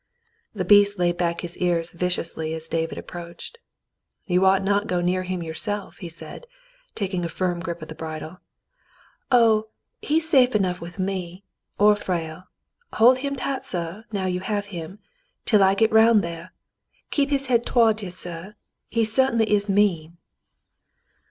The beast laid back his ears viciously as David approached. "You ought not go near him yourself," he said, taking a firm grip of the bridle. ^ "Oh, he's safe enough with me — or Frale. Hold him tight, suh, now you have him, till I get round there. Keep his head towa'ds you. He certainly is mean."